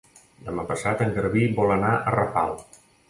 Demà passat en Garbí vol anar a Rafal.